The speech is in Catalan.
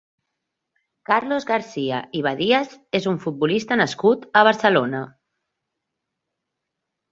Carlos García i Badías és un futbolista nascut a Barcelona.